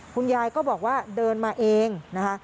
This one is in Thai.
คุณยายก็บอกว่าเดินมาเองนะคะ